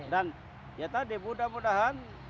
dan ya tadi mudah mudahan